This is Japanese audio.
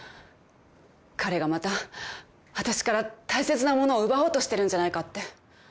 彼がまた私から大切なものを奪おうとしてるんじゃないかって。